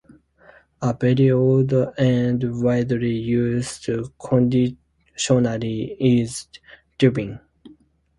A very old and widely used conditioner is dubbin.